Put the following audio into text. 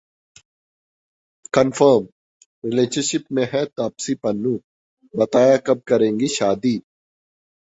Confirm: relationship में हैं तापसी पन्नू, बताया कब करेंगी शादी?